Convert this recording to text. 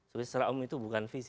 jadi secara umum itu bukan visi